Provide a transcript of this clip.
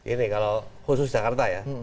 ini kalau khusus jakarta ya